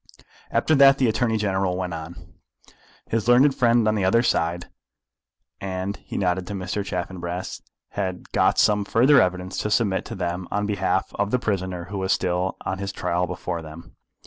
After that the Attorney General went on. His learned friend on the other side, and he nodded to Mr. Chaffanbrass, had got some further evidence to submit to them on behalf of the prisoner who was still on his trial before them.